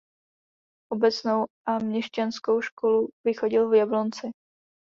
Obecnou a měšťanskou školu vychodil v Jablonci.